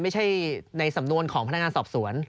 ในสำนวนของพนักงานสอบสวน